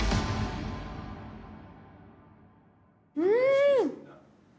うん！